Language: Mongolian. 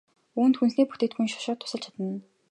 Үүнд хүнсний бүтээгдэхүүний шошго тусалж чадна.